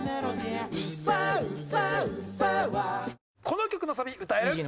この曲のサビ歌える？